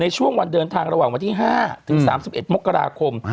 ช่วงวันเดินทางระหว่างวันที่๕ถึง๓๑มกราคม